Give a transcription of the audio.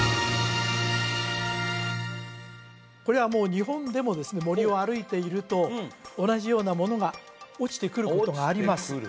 これは日本でもですね森を歩いていると同じようなものが落ちてくることがあります